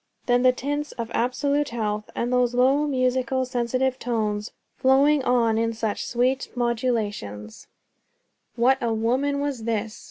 Then the tints of absolute health, and those low, musical, sensitive tones, flowing on in such sweet modulations What a woman was this!